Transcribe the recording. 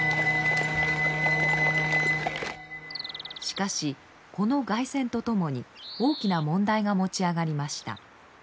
しかしこの凱旋とともに大きな問題が持ち上がりました。